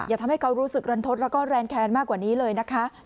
อย่าทำให้เขารู้สึกรันทดแล้วก็แรงแค้นมากกว่านี้เลยนะคะ